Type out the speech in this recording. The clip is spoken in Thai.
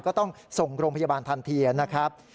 ก็ต้องส่งโรงพยาบาลทันทีนะครับ